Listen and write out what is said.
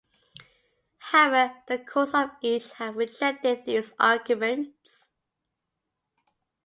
However the courts of each have rejected these arguments.